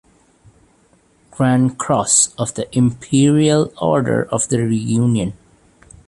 Grand Cross of the Imperial Order of the Reunion.